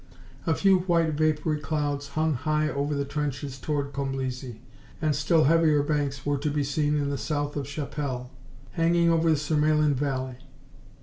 A few white, vapory clouds hung high over the trenches toward Comblizy, and still heavier banks were to be seen to the south of la Chapelle, hanging over the Surmelin Valley.